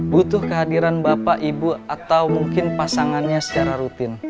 butuh kehadiran bapak ibu atau mungkin pasangannya secara rutin